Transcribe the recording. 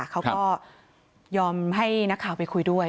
เขาก็ยอมให้นักข่าวไปคุยด้วย